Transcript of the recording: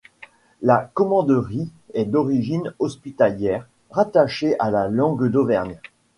La commanderie est d'origine hospitalière, rattachée à la langue d'Auvergne.